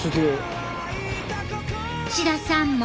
信田さんも。